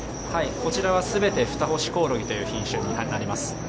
こちらは全てフタホシコオロギという品種になります。